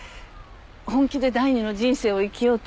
本気で第二の人生を生きようと引退したの。